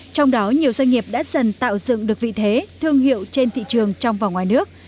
trong đó nhiều doanh nghiệp đã dần tạo dựng được vị thế thương hiệu trên thị trường trong và ngoài nước